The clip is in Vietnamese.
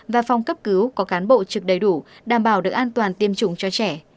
và phòng cấp cứu có cán bộ trực đầy đủ đảm bảo được an toàn tiêm chủng cho trẻ